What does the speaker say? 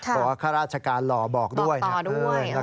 บอกว่าข้าราชการหล่อบอกด้วยนะเพื่อน